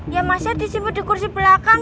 ya masnya disimpen di kursi belakang